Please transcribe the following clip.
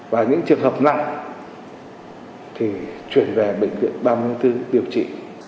và những trường hợp nặng thì chuyển về bệnh viện ba mươi bốn điều trị